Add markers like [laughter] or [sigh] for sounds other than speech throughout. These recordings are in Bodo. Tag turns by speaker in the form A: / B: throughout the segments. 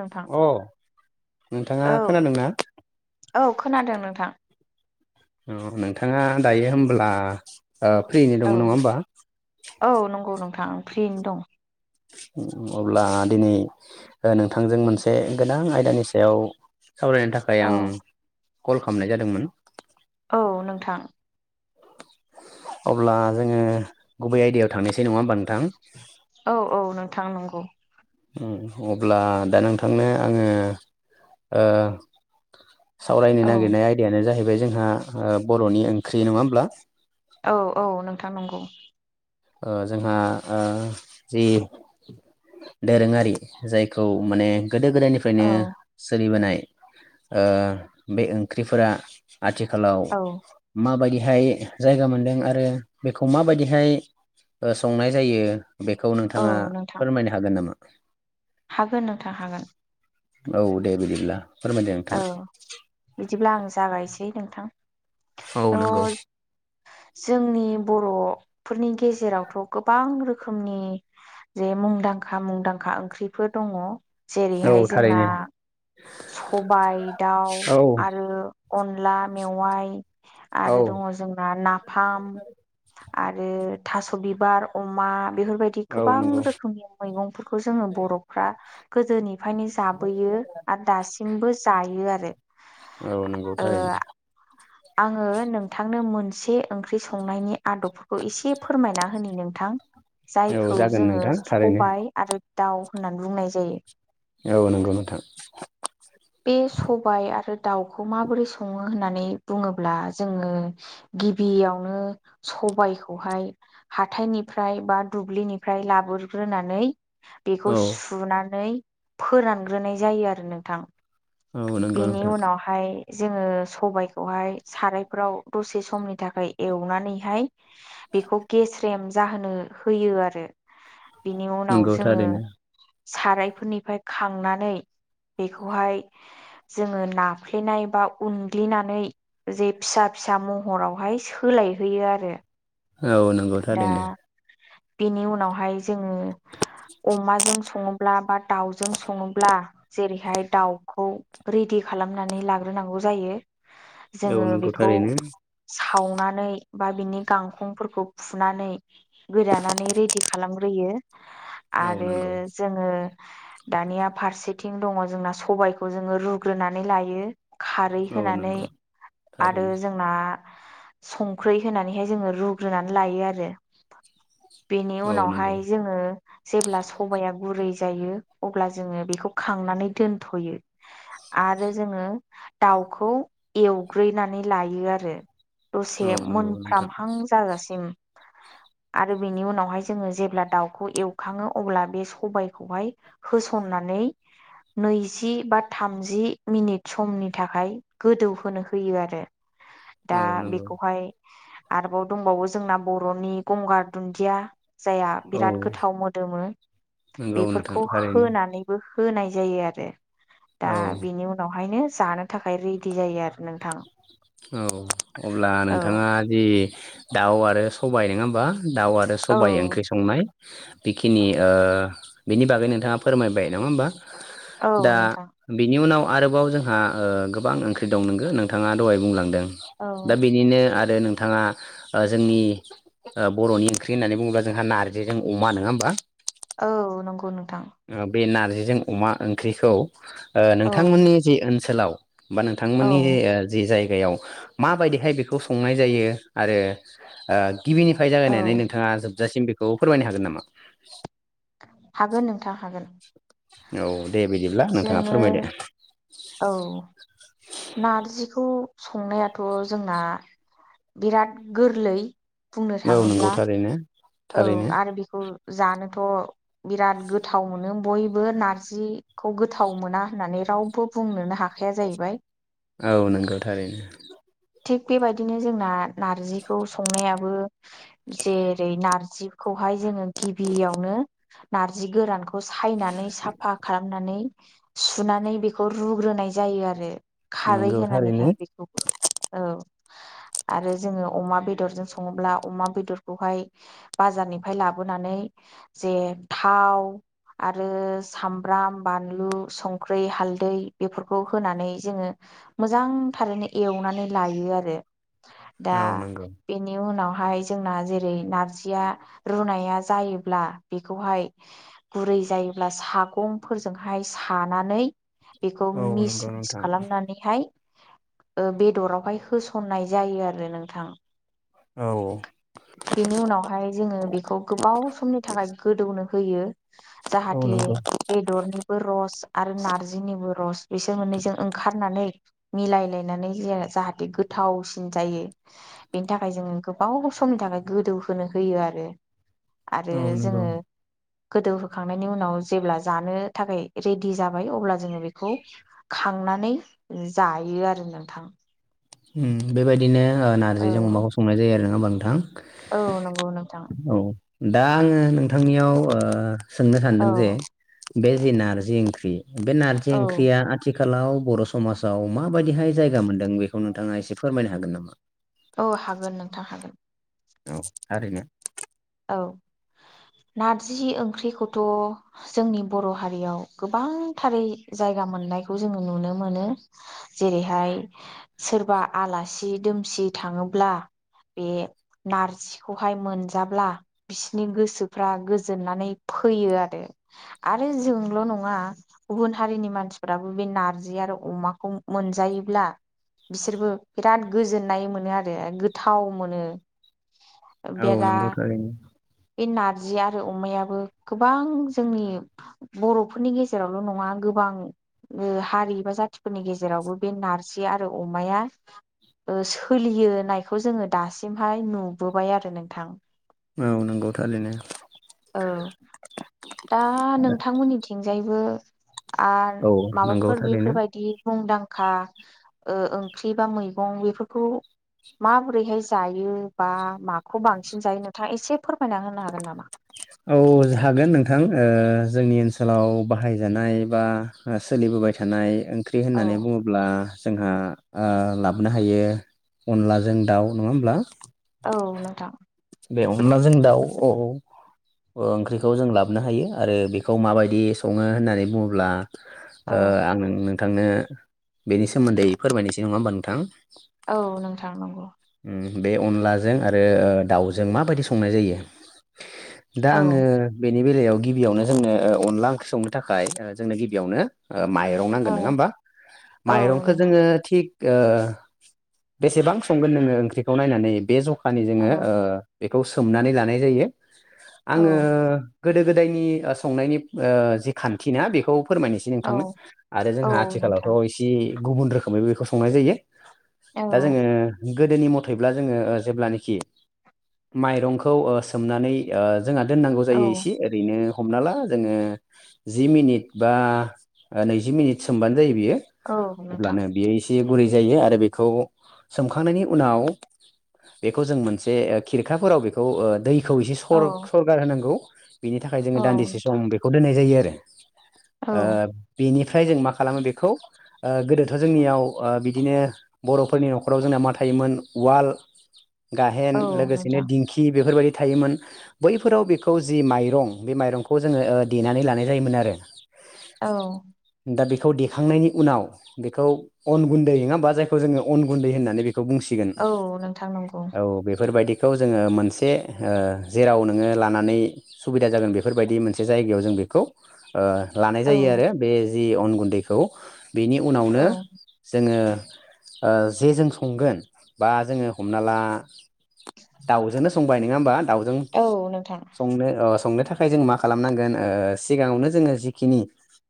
A: नोंथां
B: अ नोंथाङा
A: औ
B: खोनादोंना
A: औ खोनादों नोंथां।
B: औ नोंथाङा दायो होनब्ला ओ फ्रियैनो
A: औ
B: दङ नङा ओमबा?
A: फ्रिनो दं।
B: अब्ला दिनै नोंथांजों मोनसे गोनां आयदानि सायाव सावरायनो थाखाय
A: औ
B: आं कल खालामनाय जादोंमोन।
A: औ नोंथां।
B: अब्ला जोङो गुबै आयदायाव थांनायसै नङा ओनबा नोंथां?
A: औ औ नोंथां नंगौ।
B: अम अब्ला दा नोंथांनो आङो ओ सावरायनो
A: औ
B: नागिरनाय आयदायानो जाहैबाय जोंहा ओ बर'नि ओंख्रि नङा होमब्ला?
A: औ औ नोंथां नंगौ।
B: ओ जोंहा ओ जि दोरोङारि जायखौ माने गोदो गोदायनिफ्रायनो
A: औ
B: सोलिबोनाय ओ बे ओंख्रिफोरा आथिखालाव
A: औ
B: माबायदिहाय जायगा मोनदों आरो बेखौ माबायदिहाय ओ संनाय जायो बेखौ
A: औ
B: नोंथाङा
A: नोंथां
B: फोरमायनो हागोन नामा?
A: हागोन नोंथां हागोन।
B: औ दे बिदिब्ला। फोरमायदो नोंथाङा
A: औ बिदिब्ला आं जागायसै नोंथां।
B: औ
A: अ
B: नंगौ।
A: जोंनि बर'फोरनि गेजेरावथ' गोबां रो खोमनि जे मुंदांखा मुंदांखा ओंख्रिफोर दङ
B: औ
A: जेरैहाय जोंना
B: थारैनो
A: स बाइ दाउ
B: औ
A: आरो अनला मेवाइ
B: औ
A: आरो दङ जोंना नाफाम आरो थास' बिबार अमा बेफोरबायदि
B: औ
A: गोबां
B: नंगौ
A: रोखोमनि मैगंफोरखौ जोङो बर'फ्रा गोदोनिफ्रायनो जाबोयो। आरो दासिमबो जायो आरो।
B: औ नंगौ
A: ओ
B: थारैनो।
A: आङो नोंथांनो मोनसे ओंख्रि संनायनि आदबफोरखौ एसे फोरमायना होनि नोंथां।
B: औ
A: जायखौ
B: जागोन
A: जोङो
B: नोंथां थारैनो
A: सबाय आरो दाउ होननानै बुंनाय जायो।
B: औ नंगौ नोंथां।
A: बे सबाय आरो दाउखौ माबोरै सङो होननानै बुङोब्ला जोङो गिबियावनो सबायखौहाय हाथायनिफ्राय बा दुब्लिनिफ्राय लाबोग्रोनानै बेखौ
B: औ
A: सुनानै फोरानग्रोनाय जायो आरो नोंथां।
B: औ नंगौ
A: बेनि
B: नोंथां
A: उनावहाय जोङो सबायखौहाय सारायफ्राव दसे समनि थाखाय एवनानैहाय बेखौ गेस्रेम जाहोनो होयो आरो। बिनि उनाव
B: नंगौ
A: जोङो
B: थारैनो
A: सारायफोरनिफ्राय खांनानै बेखौहाय
B: [inaudible]
A: जोङो नाफ्लेनाय बा उनग्लिनानै जे फिसा फिसा महरावहाय सोलाय होयो आरो।
B: औ नंगौ
A: दा
B: थारैनो।
A: बेनि उनावहाय जोङो अमाजों सङोब्ला बा दाउजों सङोब्ला जेरैहाय दाउखौ रेदि खालामनानै लाग्रोनांगौ जायो।
B: औ
A: जोङो
B: नंगौ
A: बेखौ
B: थारैनो
A: सावनानै बा बिनि गांखंफोरखौ फुनानै गोदानानै रेडि खालामग्रोयो।
B: औ
A: आरो
B: नंगौ
A: जोङो दानिया फारसेथिं दङ जोंना सबायखौ जोङो रुग्रोनानै लायो। खारै
B: औ
A: होनानै
B: नंगौ
A: आरो
B: थारैनो
A: जोंना संख्रै होनानैहाय जोङो रुग्रोनानै लायो आरो। बेनि
B: औ नंगौ
A: उनावहाय जोङो जेब्ला सबाया गुरै जायो अब्ला जोङो बेखौ खांनानै दोनथ'यो। आरो जोङो दाउखौ एवग्रोनानै लायो आरो। दसे
B: औ नंगौ नोंथां
A: मोनफ्रामहां जाजासे
B: [inaudible]
A: आरो बेनि उनावहाय जोङो जेब्ला दाउखौ एवखाङो अब्ला बे सबायखौहाय होसन नानै नैजि बा थामजि मिनिट समनि थाखाय गोदौहोनो होयो आरो।
B: औ
A: दा
B: नंगौ
A: बेखौहाय आरोबाव दंबावो जोंना बर'नि गंगार दुन्दिया जायआ
B: औ
A: बिराद गोथाव मोदोमो
B: नंगौ नोंथां
A: बेफोरखौ
B: थारैनो
A: होनानैबो होनाय जायो आरो दा
B: औ
A: बेनि उनावहायनो जानो थाखाय रेडि जायो आरो। नोंथां
B: औ अब्ला
A: औ
B: नोंथाङा जि दाउ आरो सबाय नोङा होमबा? दाउ आरो
A: औ
B: सबाय ओंख्रि संनाय। बेखिनि ओ बेनि बागै नोंथाङा फोरमायबाय नङा होमबा?
A: औ
B: दा
A: नोंथां
B: बिनि उनाव आरोबाव जोंहा ओ गोबां ओंख्रि दं नोंगो नों थाङा दहाय बुंलांदों
A: औ
B: दा बेनिनो आरो नों थाङा ओ जोंनि ओ बर'नि ओंख्रि होननानै बुङोब्ला जोंहा नार्जि जों अमा नङा होमबा?
A: औ नंगौ नोंथां।
B: जों अमा ओंख्रिखौ ओ
A: औ
B: नोंथांमोननि जि ओनसोलाव बा
A: औ
B: नोंथांमोननि ओ जायगायाव माबायदिहाय बेखौ संनाय जायो आरो ओ गिबिनिफ्राय
A: औ
B: जागायनानै नोंथाङा जोबजासिम बेखौ फोरमायनो हागोन नामा?
A: हागोन नोंथां हागोन।
B: औ दे बिदिब्ला नोंथाङा
A: जोङो
B: फोरमायदो।
A: औ नारजिखौ संनायाथ' जोंना बिराद गोरलै बुंनो
B: ओ नंगौ
A: थाङोब्ला
B: थारैनो।
A: औ
B: थारैनो
A: आरो बेखौ जा नोथ' बिराद गोथाव मोनो बयबो नारजि खौ गोथाव मोना होननानै रावबो बुंनोनो हाखाया जाहैबाय।
B: औ नंगौ थारैनो
A: थिग बेबायदिनो जोंना नारजिखौ संनाया
B: [inaudible]
A: जेरै नारजिखौहाय जोङो गिबियावनो नारजि गोरान सायनानै साफा खालामनानै सुनानै बेखौ रुग्रोनाय जायो आरो। खारै
B: नंगौ थारैनो
A: होनानैहाय बेखौबो औ। आरो जोङो अमा बेदरजों संङोब्ला अमा बेदरखौहाय बाजारनिफ्राय लाबोनानै जे थाव आरो सामब्राम बानलु संख्रि हालदै बेफोरखौ होनानै जोङो मोजां थारैनो एवनानै लायो आरो दा
B: औ नंगौ
A: बेनि उनाव हाय जोंना जेरै नारजिया रुनाया जायोब्ला बेखौहाय गुरै जायोब्ला सागंफोरजोंहाय सानानै बेखौ
B: औ
A: मिस
B: नंगौ
A: मिस
B: नोंथां
A: खालामनानैहाय ओ बेदराव हाय होसननाय जायो आरो नोंथां।
B: औ
A: बेनि उनावहाय जोङो बेखौ गोबाव समनि थाखाय गोदौनो होयो।
B: औ
A: जाहाथे
B: नंगौ
A: बेदरनिबो रस आरो नारजिनिबो रस बिसोर मोननैजों ओं खारनानै मिलायलायनानै जे-जाहा थे गोथावसिन जायो। बेनि थाखाय जोङो गोबाव समनि थाखाय गोदौहोनो होयो आरो। आरो
B: औ नंगौ
A: जोङो गोदौहोखांनायनि उनाव जेब्ला जानो थाखाय रेडि जाबाय अब्ला जोङो बेखौ खा खांनानै जायो आरो नोंथां।
B: उम बेबायदिनो ओ
A: औ
B: नार्जिजों अमाखौ संनाय जायो आरो। नङा होमबा नोंथां?
A: औ नंगौ नोंथां
B: औ। दा आङो नोंथांनियाव ओ सोंनो
A: औ
B: सानदों जे बे जि नारजि ओंख्रि बे नारजि
A: औ
B: ओंख्रिया आथिखालाव बर' समाजाव माबायदिहाय जायगा मोनदों बे नोंथाङा एसे फोरमायनो हागोन नामा?
A: औ हागोन नोंथां हागोन
B: औ थारैनो
A: औ नारजि ओंख्रिखौथ' जोंनि बर' हारियाव गोबांथारै जायगा मोननायखौ जों नुनो जेरैहाय सोरबा आलासि दोमसि थाङोब्ला बे नारजिखौहाय मोनजाब्ला बिसिनि गोसोफ्रा गोजोननानै फैयो आरो आरो जोंल' नङा गुबुन हारिनि मानसिफ्राबो बे नारजि आरो अमाखौ मोनजायोब्ला बिसोरबो बिराद गोजोननाय मोनो आरो गोथाव मोनो।
B: औ
A: बेरा
B: नोंंगौ थारैनो
A: बे नारजि आरो अमायाबो गोबां जोंनि बर'फोरनि गेजेरावल' नङा गोबां गोबां हारि एबा जाथिफोरनि गेजेरावबो बे नारजि आरो अमाया ओ सोलियोनायखौ जोंङो दासिमहाय नुबोबाय आरो नोंथां।
B: औ नोंगौ थारैनो
A: औ दा नोंथांमोननिथिंजायबो आरो
B: औ नंगौ
A: माबाफोर
B: थारैनो
A: बेफोरबायदि मुदां खा ओ ओंख्रि बा मैगं बेफोरखौ माबोरैहाय जायो बा माखौ बांसिन जायो नोंथांङा एसे फोरमायना होनो हागोन नामा?
B: औ हागोन नोंथां ओ जोंनि ओनसोलाव बाहायजानाय बा सोलि बोबाय थानाय ओंख्रि
A: औ
B: होननानै बुंङोब्ला जोंहा ओ लाबोनो हायो अनलाजों दाउ नङा होमब्ला?
A: औ नोंथां
B: बे अनलाजों दाउ औ औ ओंख्रिखौ जों लाबोननो हायो आरो बेखौ माबायदि संङो होननानै बुङोब्ला
A: औ
B: ओ आं नोंथांनो बेनि सोमोन्दै फोरमायनोसै नङा होमबा नोंथां
A: औ नोंथां नंगौ
B: उम बे अनलाजों आरो दाउजों माबायदि संनाय जायो? दा
A: औ
B: आंङो बेनि बेलायाव गिबियावनो जोंनो अनला ओंख्रि संनो थाखाय जोंनो गिबियावनो ओ माइरं
A: औ
B: नांगोन नोंङा होमबा
A: औ
B: माइरंखौ
A: नोंथां
B: जोंङो थिग ओ बेसेबां संगोन नोंङो ओंख्रिखौ नायनानै बे जखानि जोंङो
A: औ
B: ओ बेखौ सोमनानै लानाय जायो
A: औ
B: आङो गोदो गोदायनि ओ संनायनि ओ जि खान्थि ना बेखौ फोरमायनोसै
A: औ
B: नोंथांनो आरो
A: औ
B: जोंहा आथिखालावथ'
A: नोंथां
B: एसे गुबुन रोखोमै बेखौ संनाय जायो।
A: औ
B: दा जोंङो गोदोनि मथेब्ला जोंङो जेब्लानेखि माइरंखौ ओ सोमनानै ओ जोंहा दोननांगौ
A: औ
B: जायो इसे ओरैनो हमना ला जोंंङो जि मिनिट बा नैजि मिनिट सोमबा जायो बियो
A: औ नोंथां
B: अब्लानो बियो इसे से गुरै जायो आरो बेखौ सोमखांनायनि उनाव बेखौ जों मोनसे खिरखाफोराव बेखौ ओ दैखौ एसे
A: औ
B: सर सरगार होनांगौ। बिनि थाखाय जोंङो
A: औ
B: दान्दिसे सम बेखौ दोननाय जायो आरो।
A: औ
B: ओ बेनिफ्राय जों मा खालामो बेखौ ओ गोदोथ' जोंनियाव ओ बिदिनो बर'फोरनि न'खराव जोंना मा थायोमोन उवाल गाहेन
A: औ
B: लोगोसेनो
A: नोंथां
B: दिंखि बेफोरबायदि थायोमोन बैफोराव बेखौ जि माइरं बे माइरंखौ जोंङो ओ देनानै लानाय जायोमोन आरो।
A: औ
B: दा बेखौ देखांनायनि उनाव बेखौ अन गुन्दै नोंङा होमबा जायखौ जोंङो अन गुन्दै होननानै बे बेखौ बुंसिगोन
A: औ नोंथां नंगौ
B: औ बेफोरबायदि बेखौ जोंङो मोनसे ओ जेराव नोंङो लानानै सुबिदा जागोन बेफोरबायदि मोनसे जायगायाव जों बेखौ ओ लानाय
A: औ
B: जायो आरो बे जि अन गुन्दैखौ बिनि
A: औ
B: उनावनो जोंङो ओ जे जों संगोन बा जोंङो हमना ला दाउजोंनो संबाय नङा होमबा दाउजों
A: औ नोंथां
B: संनो अ' संनो थाखाय जों मा खालामनांगोन ओ सिगाङावनो जोङो जिखिनि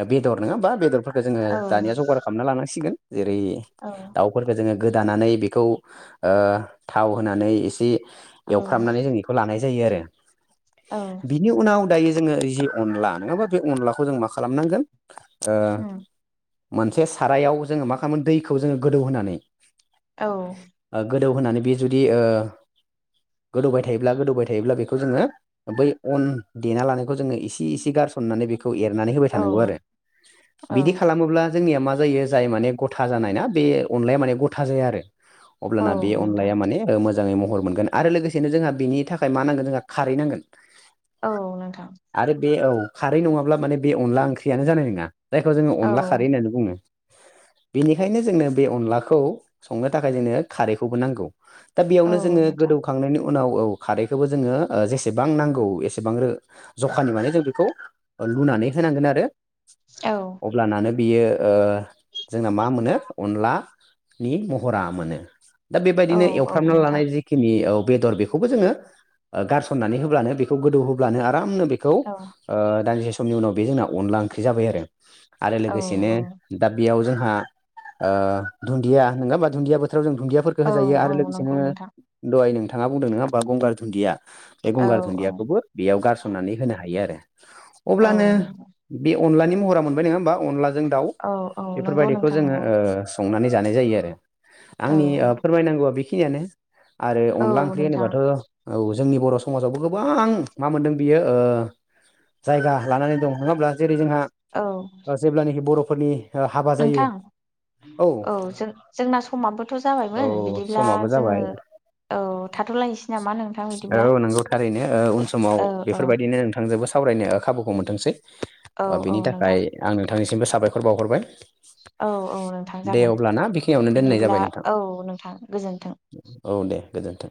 B: ओ बेदर नङा होनबा बेदर फोरखो जोङो
A: औ
B: दानिया जगार खामना लानांसिगोन जेरै
A: औ
B: दाउफोरखौ जोङो गोदानानै बेखौ ओ थाव होनानै इसि
A: औ
B: एवफ्रामनानै जों इखौ लानाय जा यो आरो
A: औ
B: बिनि उनाव दायो जोङो जि अनला नङाबा बे अनलाखौ जों मा खालामनांगोन ओ
A: उम
B: मोनसे सारायाव जोङो मा खालामो दैखौ जोङो गोदौ होनानै
A: औ
B: गोदौ होनानै बेयो जुदि ओ गोदौबाय थायोब्ला गोदौबाय थायोब्ला बे खौ जोङो बै अन देना लानायखौ जों इसे इसे गारसनानै बि खौ एरनानै होबाय
A: औ
B: थानांगौ आरो
A: औ
B: बिदि खालामोब्ला जोंनिया मा जायो जाय माने गथा जानाय ना बे अनलाया माने गथा जाया आरो
A: औ
B: अब्लाना बे
A: नोंथां
B: अनलाया माने ओ मोजाङै महर मोनगोन आरो लोगोसेनो जोंहा बिनि थाखाय मा नांगोन जोंहा खारै नांगोन।
A: औ नोंथां
B: आरो बे औ खारै नङाब्ला माने बे अनला ओंख्रियानो जानाय नोङा। जायखौ जोङो
A: औ
B: अनला खारै होननानै बुङो। बेनिखायनो जोंनो बे अनलाखौ संनो थाखाय जोंनो खारैखौबो नांगौ। दा
A: औ
B: बेयावनो जोङो
A: नोंथां
B: गोदौखांनायनि उनाव औ खारैखोबो जोङो ओ जेसेबां नांगौ एसेबां रो जखानि माने जों बेखौ लुनानै होनांगोन आरो
A: औ
B: अब्लानानो बियो ओ जोंना मा मोनो अनलानि महरा मोनो। दा
A: औ
B: बेबायदिनो
A: औ
B: एवफ्रामना
A: नोंथां
B: लानाय जि नि औ बेदर बेखौबो जोङो ओ गारसननानै होब्लानो बेखौ गोदौहोब्लानो आरामनो बेखौ ओ
A: औ
B: दान्दिसे समनि उनाव बे जोंना अनला ओंख्रि जाबाय आरो। आरो
A: औ
B: लोगोसेनो
A: औ
B: दा बेयाव जोंहा ओ दुन्दिया नङा होमबा दुन्दिया बो थोराव जों दुन्दियाफोरखो
A: औ
B: होजायो आरो
A: औ
B: लोगोसेनो
A: नंगौ नोंथां
B: दहाय नोंथाङा बुंदों नङा होमबा गंगार दुन्दिया बे
A: औ
B: गंगार
A: औ
B: दुन्दियाखौबो बेयाव गारसननानै होनो हायो आरो अब्लानो
A: औ
B: बे याव‌ अनलानि महरा मोनबाय नोङा होमबा अनलाजों दाउ
A: औ औ नंगौ
B: बेफोरबायदिखौ
A: नोंथां
B: जोङो
A: नंगौ
B: ओ संनानै जानाय जायो आरो
A: औ
B: आंनि ओ फोरमायनांगौआ बेखिनियानो। आरो
A: औ
B: अनला ओंख्रि
A: नोंथां
B: होनोबाथ' औ जोंनि बर' समाजावबो गोबां मा मोनदों बियो ओ जायगा लानानै दं नङा होनब्ला जेरै जोंहा
A: औ
B: ओ जेब्लानिखि बर'फोरनि ओ हाबा जायो
A: नोंथां औ जों जोंना समाबोथ' जाबायमोन
B: औ
A: बिदिब्ला
B: समाबो जाबाय
A: जोङो औ थाथ'लायनोसै नामा नोंथां
B: औ
A: बिदिब्ला
B: नंगौ थारैनो ओ उन समाव
A: औ औ
B: बेफोरबायदिनो नोंथां जोंबो सावरायनो ओ खाबुखौ मोनथोंसै
A: औ
B: ओ
A: औ
B: बिनि थाखाय
A: नोंथां
B: आं नोंथांनिसिमबो साबायखर बावहरबाय।
A: औ औ नोंथां
B: दे
A: जागोन।
B: अब्लाना बेखिनियावनो दोननाय जाबाय
A: बिदिब्ला
B: नोंथां
A: औ नोंथां गोजोनथों।
B: औ दे गोजोनथों।